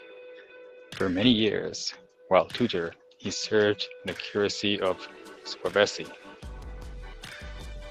For many years, while tutor, he served the curacy of Swavesey.